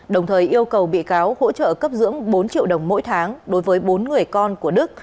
đồng thời yêu cầu bị cáo hỗ trợ cấp dưỡng bốn triệu đồng mỗi tháng đối với bốn người con của đức